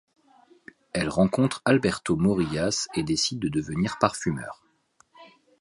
Elle rencontre Alberto Morillas et décide de devenir parfumeur.